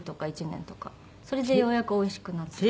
それでようやくおいしくなってくる。